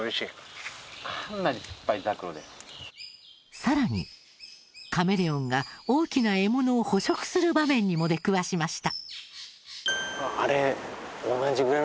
更にカメレオンが大きな獲物を捕食する場面にも出くわしました。